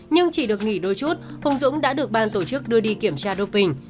nhưng chỉ được nghỉ đôi chút hùng dũng đã được ban tổ chức đưa đi kiểm tra đô phình